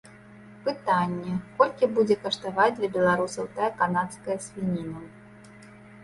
Пытанне, колькі будзе каштаваць для беларусаў тая канадская свініна.